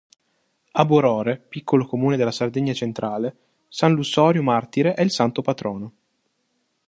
A Borore, piccolo comune della Sardegna centrale, San Lussorio Martire è il santo patrono.